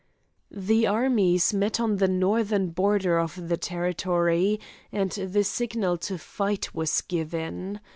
The armies met on the northern border of the territory, and the signal to fight was given.